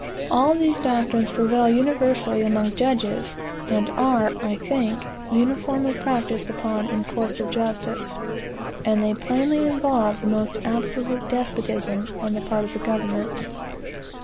All these doctrines prevail universally among judges, and are, I think, uniformly practised upon in courts of justice; and they plainly involve the most absolute despotism on the part of the government.